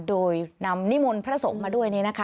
โดยนำนิมนต์พระศกมาด้วยนะคะ